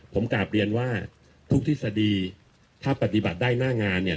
ผมกลับเรียนว่าทุกทฤษฎีถ้าปฏิบัติได้หน้างานเนี่ย